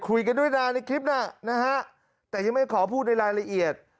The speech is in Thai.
คุยกันด้วยนะในคลิปน่ะนะฮะแต่ยังไม่ขอพูดในรายละเอียด